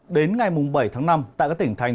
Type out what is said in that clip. đến ngày bảy tháng năm tại các tỉnh thành